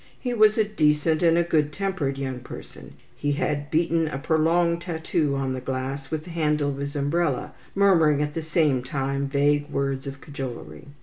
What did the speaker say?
He was a decent and a good tempered young person, and he had beaten a prolonged tattoo on the glass with the handle of his umbrella, murmuring at the same time vague words of cajolery.